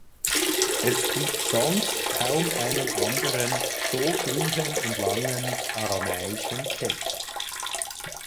Es gibt sonst kaum einen anderen so frühen und langen aramäischen Text.